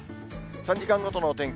３時間ごとのお天気。